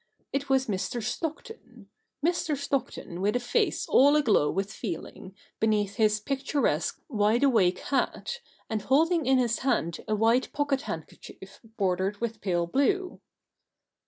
It was Mr. Stockton — Mr. Stockton, with a face all aglow with feeling, beneath his picturesque wide awake hat, and holding in his hand a white pocket handkerchief bordered with pale blue.